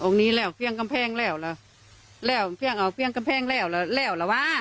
อันนี้แล้วเพียงกำแพงแล้วแล้วแล้วเพียงเอาเพียงกำแพงแล้วแล้วแล้วหรอวะ